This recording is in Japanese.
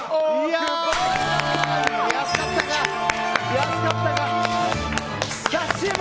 安かったか。